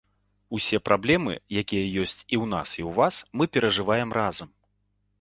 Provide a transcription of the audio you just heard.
Усе праблемы, якія ёсць у нас і ў вас, мы перажываем разам.